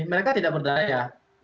mereka tidak berdaya